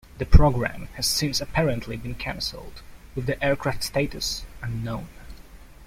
The programme has since apparently been cancelled, with the aircraft's status unknown.